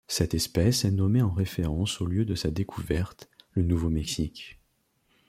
Cette espèce est nommée en référence au lieu de sa découverte, le Nouveau-Mexique.